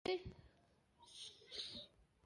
لاندې متلونه ما د خپلې سيمې